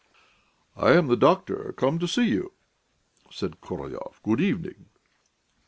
"I am the doctor come to see you," said Korolyov. "Good evening."